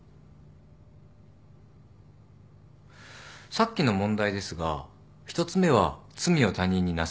さっきの問題ですが１つ目は罪を他人になすり付ける話。